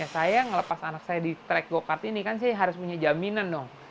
saya ngelepas anak saya di track go kart ini kan saya harus punya jaminan dong